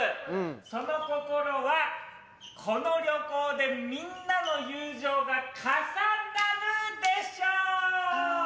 その心はこの旅行でみんなの友情が重なるでしょう。